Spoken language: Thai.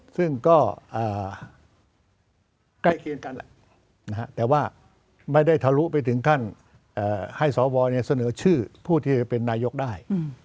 ซึ่งก็ใกล้เคียงกันแหละแต่ว่าไม่ได้ทะลุไปถึงขั้นให้สวเสนอชื่อผู้ที่จะเป็นนายกได้